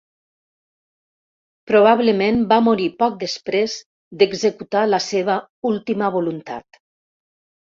Probablement va morir poc després d'executar la seva última voluntat.